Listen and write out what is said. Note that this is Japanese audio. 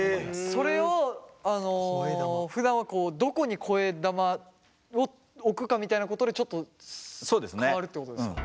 それをふだんはどこに声玉を置くかみたいなことでちょっと変わるってことですか？